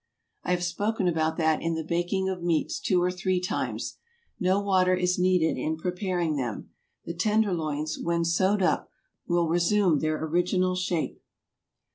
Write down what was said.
I have spoken about that in the baking of meats two or three times. No water is needed in preparing them. The tenderloins, when sewed up, will resume their original shape.